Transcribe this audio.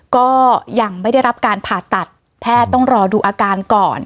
ก็ยังไม่ได้รับการผ่าตัดแพทย์ต้องรอดูอาการก่อน